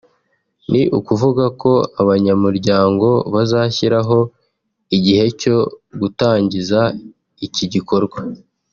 ni ukuvuga ko abanyamuryango bazashyiraho igihe cyo gutangiza iki gikorwa